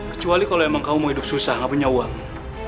kecuali kalau emang kamu mau hidup susah gak punya uang